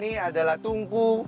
ini adalah tungku